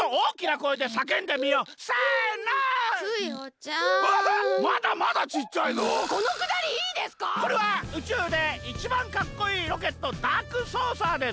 これはうちゅうでいちばんかっこいいロケットダークソーサーです！